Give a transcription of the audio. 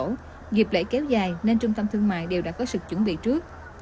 trong ngày đầu dịp lễ kéo dài nên trung tâm thương mại đều đã có sự chuẩn bị trước